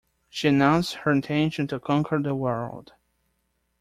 She announced her intention to conquer the world